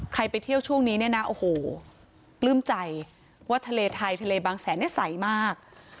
ไปเที่ยวช่วงนี้เนี่ยนะโอ้โหปลื้มใจว่าทะเลไทยทะเลบางแสนเนี่ยใสมาก